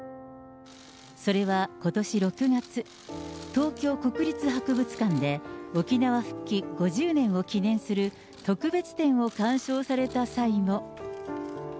それはことし６月、東京国立博物館で、沖縄復帰５０年を記念する特別展を鑑賞された際も。